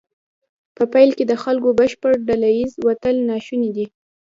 په پیل کې د خلکو بشپړ ډله ایز وتل ناشونی دی.